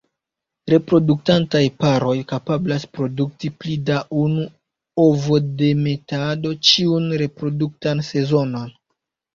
Reproduktantaj paroj kapablas produkti pli da unu ovodemetado ĉiun reproduktan sezonon.